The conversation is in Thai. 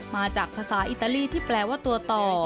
มาจากภาษาอิตาลีที่แปลว่าตัวต่อ